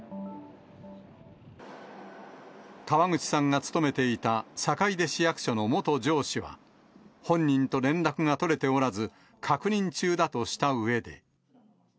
河口さんが勤めていた坂出市役所の元上司は、本人と連絡が取れておらず確認中だとしたうえで。